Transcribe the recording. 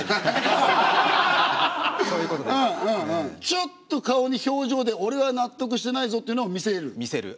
ちょっと顔に表情で俺は納得してないぞっていうのを見せる？見せる。